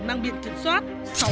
mang biện kiểm soát